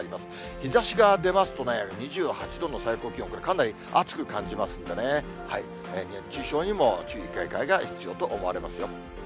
日ざしが出ますとね、２８度の最高気温、これかなり暑く感じますんでね、熱中症にも注意警戒が必要と思われますよ。